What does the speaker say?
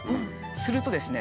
するとですね